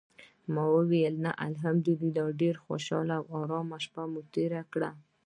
ما ویل: "نه، الحمدلله ډېره خوشاله او آرامه شپه مو تېره کړه".